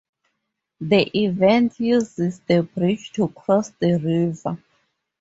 The event uses the bridge to cross the river.